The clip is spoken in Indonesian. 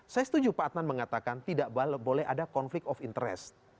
saya setuju pak adnan mengatakan tidak boleh ada konflik of interest